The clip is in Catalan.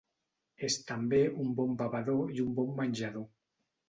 És també un bon bevedor i un bon menjador.